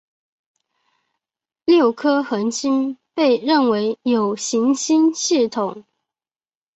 六颗恒星被认为有行星系统。